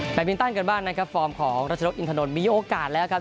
มินตันกันบ้างนะครับฟอร์มของรัชนกอินทนนท์มีโอกาสแล้วครับ